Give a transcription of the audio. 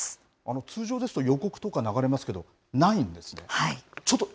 通常ですと予告とか流れますけど、ないんですか。